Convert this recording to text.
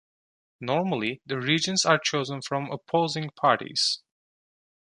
Normally the Regents are chosen from opposing parties.